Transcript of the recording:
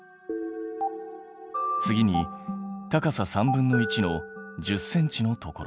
次に高さ1/3の１０ｃｍのところ。